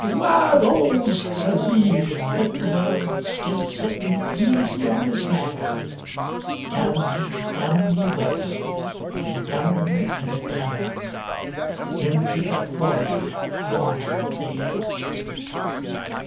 ''Ware 'oles!' says 'e, an' with the word, Still sittin' easy on his mare, Down, down 'e went, an' down an' down, Into the quarry yawnin' there.